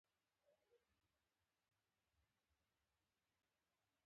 آیا لومړی بست لوړ دی؟